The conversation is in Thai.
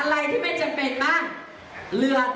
ตัดไปไม่มีความจำเป็นเคารถถางมาซื้อที่ไหล